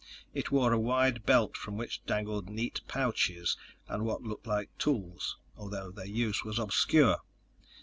It wore a wide belt from which dangled neat pouches and what looked like tools, although their use was obscure.